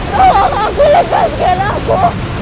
tawang aku lepas gelaku